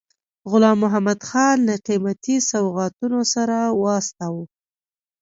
غلام محمدخان له قیمتي سوغاتونو سره واستاوه.